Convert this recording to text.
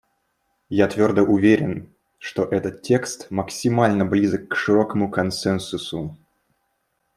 Я твердо уверен, что этот текст максимально близок к широкому консенсусу.